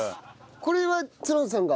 これは角田さんが？